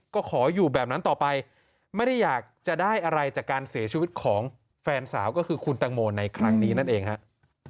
ก็ขออยู่แบบนั้นต่อไปไม่ได้อยากจะได้อะไรจากการเสียชีวิตของแฟนสาวก็คือคุณตังโมในครั้งนี้นั่นเองฮะ